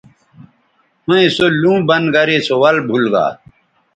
ھویں سو لُوں بند گرے سو ول بُھول گا